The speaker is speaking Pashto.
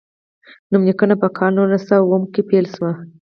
نوم لیکنه په کال نولس سوه اووم کې پیل شوه.